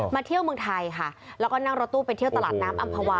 เที่ยวเมืองไทยค่ะแล้วก็นั่งรถตู้ไปเที่ยวตลาดน้ำอำภาวา